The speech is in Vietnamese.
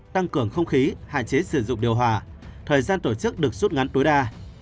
tăng cường không khí hạn chế sử dụng điều hòa thời gian tổ chức được rút ngắn tối đa